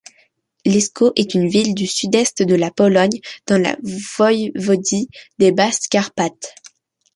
Lesko est une ville du sud-est de la Pologne dans la Voïvodie des Basses-Carpates.